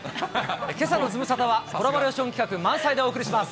けさのズムサタは、コラボレーション企画満載でお送りします。